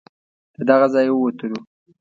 له دغه ځای ووتلو.